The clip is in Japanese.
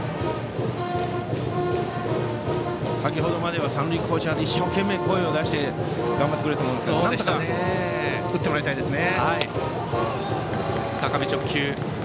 先程まで三塁コーチャーで一生懸命、声を出して頑張ってくれていましたからなんとか打ってもらいたいですね。